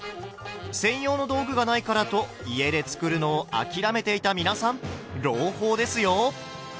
専用の道具がないからと家で作るのを諦めていた皆さん朗報ですよ！